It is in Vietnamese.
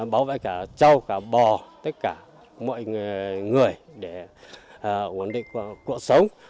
bảo vệ cả trâu cả bò tất cả mọi người để ổn định cuộc sống